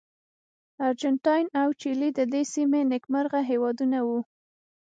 ارجنټاین او چیلي د دې سیمې نېکمرغه هېوادونه وو.